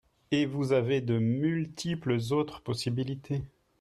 Et vous avez de multiples autres possibilités.